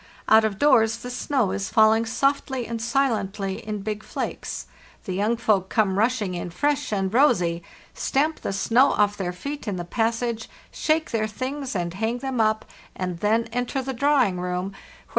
Out of doors the snow is falling softly and silently in big flakes; the young folk come rushing in fresh and rosy, stamp the snow off their feet in the passage, shake their things and hang them up, and then enter the drawing room, where the FEE ANT ONDE a So OUR WINTER HUT.